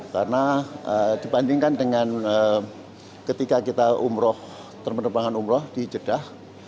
karena dibandingkan dengan ketika kita umroh terpendebangan umroh di jeddah